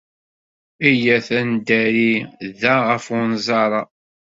Iyyat ad neddari da ɣef unẓar-a.